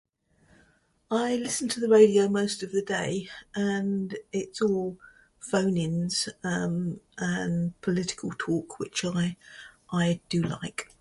I listen to the radio most of the day and it's all phone-ins, um, and political talk which I- I do like.